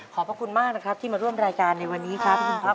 ขอบคุณมากนะครับที่มาร่วมรายการในวันนี้ครับ